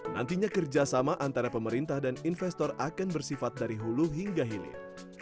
nantinya kerjasama antara pemerintah dan investor akan bersifat dari hulu hingga hilir